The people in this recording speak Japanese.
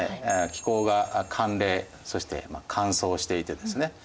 気候が寒冷そして乾燥していてですね